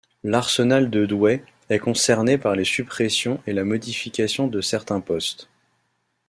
L'arsenal de Douai est concerné par la suppression et la modification de certains postes.